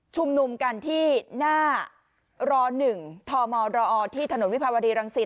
ชุมนุมกันที่หน้าร๑ทมรอที่ถนนวิภาวดีรังศิษ